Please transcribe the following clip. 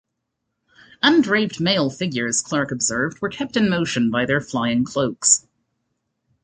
Undraped male figures, Clark observed, were kept in motion by their flying cloaks.